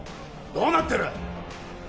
どうなってる？